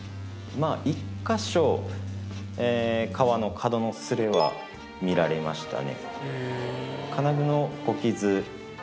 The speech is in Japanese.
まあ１カ所革の角の擦れは見られましたね。